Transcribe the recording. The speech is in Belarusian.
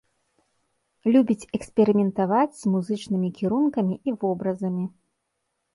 Любіць эксперыментаваць з музычнымі кірункамі і вобразамі.